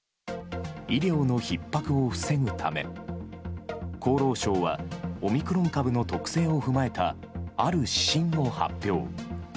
医療のひっ迫を防ぐため、厚労省は、オミクロン株の特性を踏まえたある指針を発表。